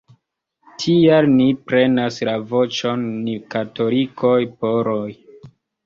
Tial ni prenas la voĉon, ni katolikoj-poloj".